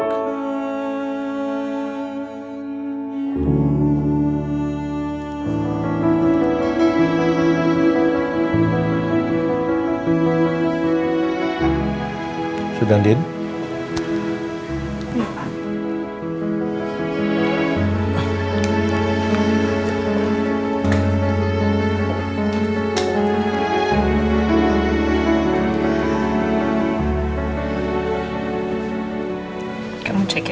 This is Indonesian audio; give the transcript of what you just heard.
kamu jaga dirimu ya